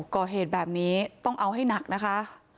ก่อเหตุแบบนี้ต้องเอาให้หนักนะคะ